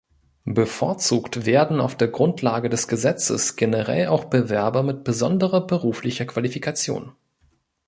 Bevorzugt werden auf der Grundlage des Gesetzes generell auch Bewerber mit besonderer beruflicher Qualifikation.